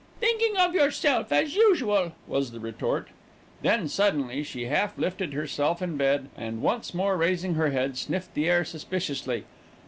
"Thinking of yourself as usual," was the retort. Then, suddenly, she half lifted herself in bed and, once more raising her head, sniffed the air suspiciously.